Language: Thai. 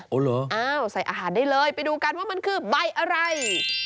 เอาเหรออ้าวใส่อาหารได้เลยไปดูกันว่ามันคือใบอะไร